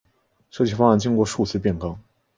设计方案经过数次变更。